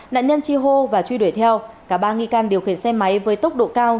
nạn nhân chi hô và truy đuổi theo cả ba nghi can điều khiển xe máy với tốc độ cao